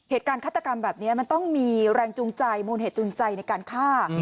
ฆาตกรรมแบบนี้มันต้องมีแรงจูงใจมูลเหตุจูงใจในการฆ่า